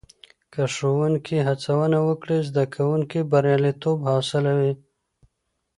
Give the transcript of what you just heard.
که ښوونکې هڅونه وکړي، زده کوونکي برياليتوب حاصلوي.